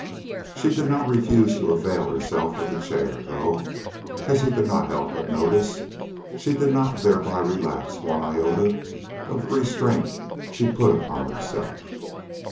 She did not refuse to avail herself of the chair, though, as he could not help but notice, she did not thereby relax one iota of the restraint she put upon herself.